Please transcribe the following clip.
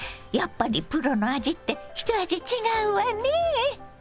やっぱりプロの味って一味違うわね。